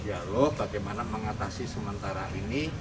dialog bagaimana mengatasi sementara ini